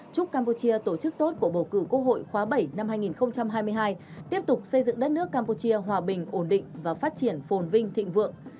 chúc campuchia tổ chức tốt cuộc bầu cử quốc hội khóa bảy năm hai nghìn hai mươi hai tiếp tục xây dựng đất nước campuchia hòa bình ổn định và phát triển phồn vinh thịnh vượng